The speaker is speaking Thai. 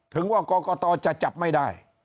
ถึงว่ากรกตจะจับไม่ได้